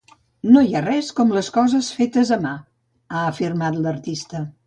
“No hi ha res com les coses fetes a mà”, ha afirmat l’artista.